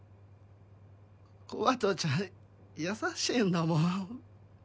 コバトちゃん優しいんだもん